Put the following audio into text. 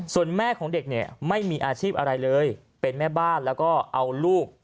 ส่วนแม่ของเด็กเนี่ยไม่มีอาชีพอะไรเลยเป็นแม่บ้านแล้วก็เอาลูก